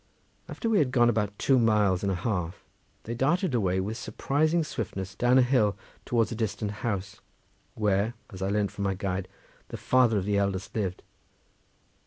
After we had gone about two miles and a half they darted away with surprising swiftness down a hill towards a distant house, where as I learned from my guide the father of the eldest lived.